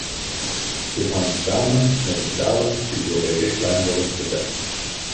Dit hangt samen met de talen die door de richtlijn worden gedekt.